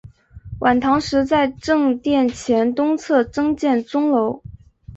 晚唐时在正殿前东侧增建钟楼。